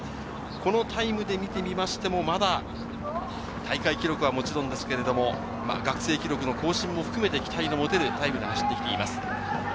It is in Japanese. このタイムで見てみましても、まだ大会記録はもちろんですが、学生記録の更新も含めて、期待の持てるタイムで走ってきています。